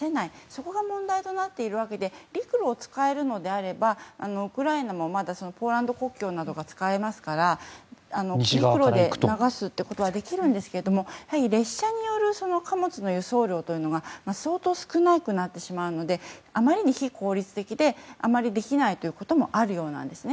そこが問題となっているわけで陸路を使えるのであればウクライナもまだポーランド国境などが使えますから陸路で流すということはできるんですが列車による貨物の輸送量というのが相当、少なくなってしまうのであまりに非効率的であまりできないということもあるようです。